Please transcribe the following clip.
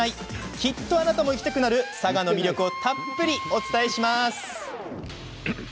きっとあなたも行きたくなる佐賀の魅力をたっぷりお伝えします。